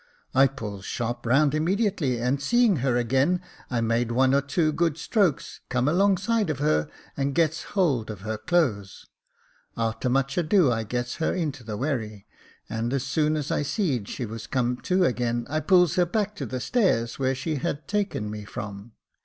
I pulls sharp round immediately, and seeing her again, I made one or two good strokes, comes alongside of her, and gets hold of her clothes. A'ter much ado I gets her into the wherry, and as soon as I seed she was come to again, I pulls her back to the stairs where she had taken me from.